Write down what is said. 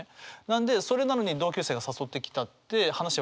なんでそれなのに同級生が誘ってきたって話分かんない。